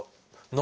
何？